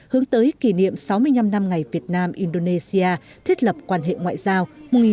hướng tới kỷ niệm sáu mươi năm năm ngày việt nam indonesia thiết lập quan hệ ngoại giao một nghìn chín trăm năm mươi năm hai nghìn hai mươi